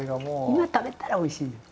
今食べたらおいしいのよ。